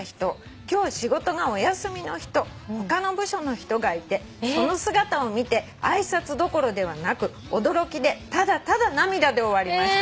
今日仕事がお休みの人他の部署の人がいてその姿を見て挨拶どころではなく驚きでただただ涙で終わりました」